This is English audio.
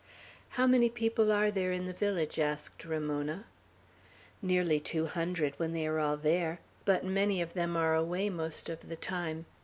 "How many people are there in the village?" asked Ramona. "Nearly two hundred, when they are all there; but many of them are away most of the time.